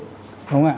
đúng không ạ